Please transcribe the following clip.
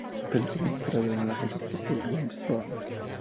Película inspirada en el agente secreto James Bond.